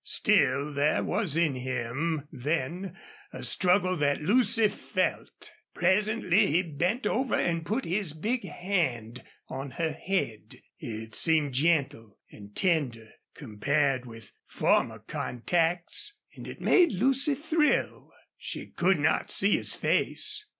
Still, there was in him then a struggle that Lucy felt. Presently he bent over and put his big hand on her head. It seemed gentle and tender compared with former contacts, and it made Lucy thrill. She could not see his face.